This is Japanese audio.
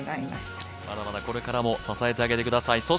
まだまだこれからも支えてあげてください。